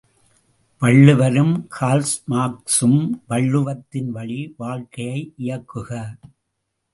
வள்ளுவரும் கார்ல்மார்க்சும் வள்ளுவத்தின் வழி வாழ்க்கையை இயக்குக!